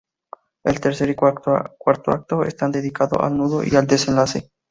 El tercer y cuarto acto está dedicado al nudo y al desenlace.